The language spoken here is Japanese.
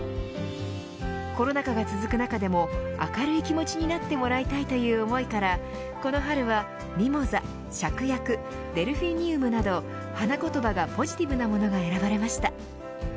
コロナ禍が続く中でも明るい気持ちになってもらいたいという思いからこの春はミモザ、シャクヤクデルフィニウムなど花言葉がポジティブなものが選ばれました。